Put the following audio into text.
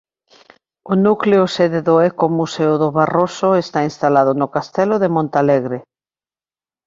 O Núcleo sede do Ecomuseo do Barroso está instalado no Castelo de Montalegre.